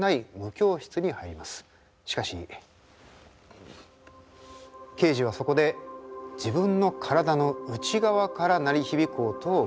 しかしケージはそこで自分の体の内側から鳴り響く音を聴きます。